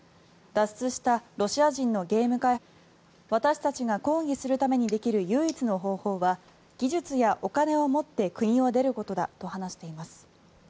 脱出したロシア人のゲーム開発者は私たちが抗議するためにできる唯一の方法は技術やお金を持って国を出ることだと話しています。